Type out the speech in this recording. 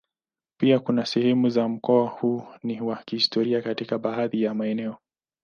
Pia kuna sehemu za mkoa huu ni wa kihistoria katika baadhi ya maeneo.